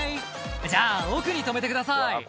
「じゃあ奥に止めてください」